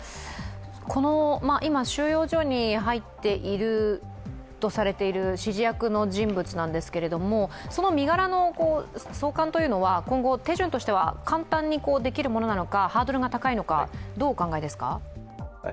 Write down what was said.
今収容所に入っているとされている指示役の人物なんですけれども、その身柄の送還というのは今後手順としては簡単にできるものなのか、ハードルが高いのか、どうお考えですか。